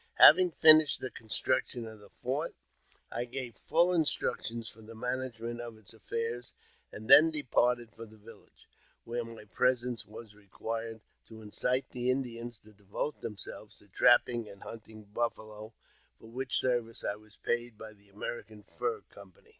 Having finished the construction of the fort, I gave full m structions for the management of its affairs, and then departed for the village, where my presence was required to incite the Indians to devote themselves to trapping and hunting buffalo, for which service I was paid by the American Fur Company.